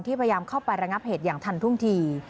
พยายามเข้าไประงับเหตุอย่างทันทุ่งที